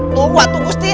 tunggu atu gusti